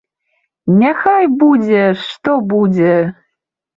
Няхай будзе што будзе!